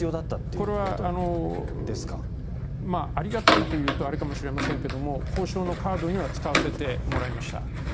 これはありがたいと言うとあれかもしれませんけれど交渉のカードには使わせてもらいました。